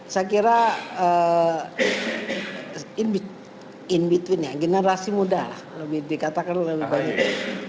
saya kira in ben between ya generasi muda lah lebih dikatakan lebih banyak